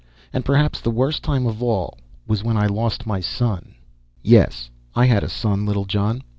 And perhaps the worst time of all was when I lost my son. "Yes, I had a son, Littlejohn.